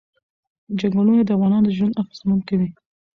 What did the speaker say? چنګلونه د افغانانو ژوند اغېزمن کوي.